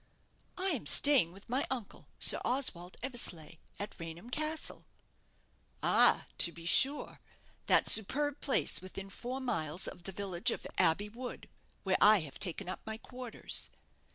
"I am staying with my uncle, Sir Oswald Eversleigh, at Raynham Castle." "Ah, to be sure; that superb place within four miles of the village of Abbey wood, where I have taken up my quarters."